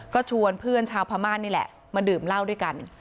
ก็ชวนเพื่อนชาวพม่านี่แหละมาดื่มเหล้าด้วยกัน